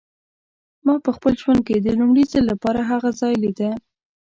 ما په خپل ژوند کې د لومړي ځل لپاره هغه ځای لیده.